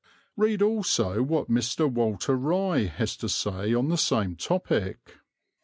Read also what Mr. Walter Rye has to say on the same topic.